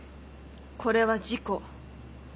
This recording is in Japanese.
これは事故。